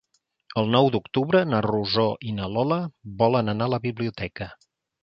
El nou d'octubre na Rosó i na Lola volen anar a la biblioteca.